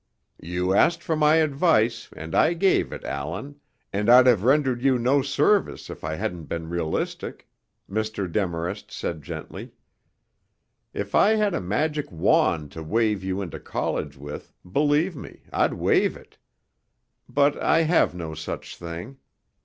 "You asked for my advice and I gave it, Allan, and I'd have rendered you no service if I hadn't been realistic," Mr. Demarest said gently. "If I had a magic wand to wave you into college with, believe me, I'd wave it. But I have no such thing.